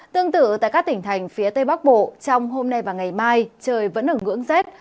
tương tự tại các tỉnh thành phía tây bắc bộ trong hôm nay và ngày mai trời vẫn ở ngưỡng rét